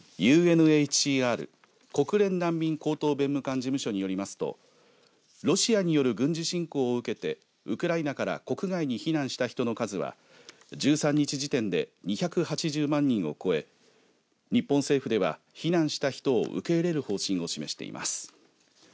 国連難民高等弁務官事務所によりますとロシアによる軍事侵攻を受けてウクライナから国外に避難した人の数は１３日時点で２８０万人を超え日本政府では、避難した人を受け入れる方針を示しています。